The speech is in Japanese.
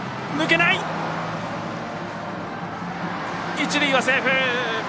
一塁はセーフ。